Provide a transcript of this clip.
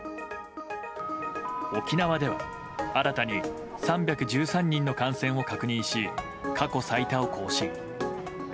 沖縄では新たに３１３人の感染を確認し過去最多を更新。